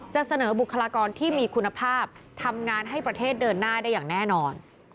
จะเสนอบุคลากรที่มีคุณภาพทำงานให้ประเทศเดินหน้าได้อย่างแน่นอน